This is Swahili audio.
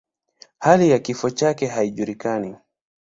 Hali ya kifo chake haijulikani.